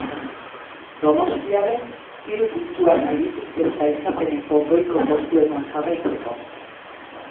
Donostiarrek hiru puntuak nahi dituzte sailkapeneko goiko postuetan jarraitzeko.